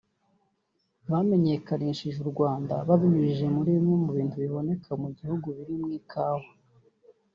Banamenyekanishije kandi u Rwanda babinyujije muri bimwe mu bintu biboneka mu gihugu birimo Ikawa